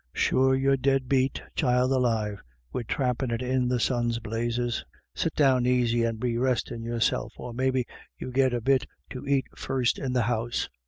Sure you're dead beat, child alive, wid trampin' it in the sun's blazes ; sit down aisy and be restin' yourself, or maybe you git a bit to ait first in the house."